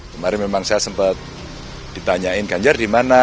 kemarin memang saya sempat ditanyain ganjar di mana